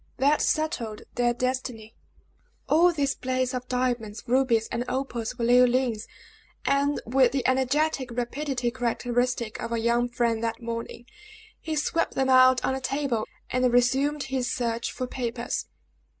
That settled their destiny. All this blaze of diamonds, rubies, and opals were Leoline's; and with the energetic rapidity characteristic of our young friend that morning, he swept them out on the table, and resumed his search for papers.